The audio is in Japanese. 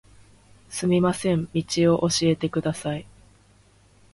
すみません、道を教えてください